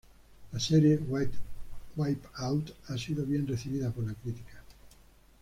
La serie "Wipeout" ha sido bien recibida por la crítica.